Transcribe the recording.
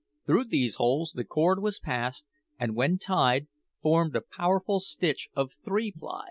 Through these holes the cord was passed, and when tied, formed a powerful stitch of three ply.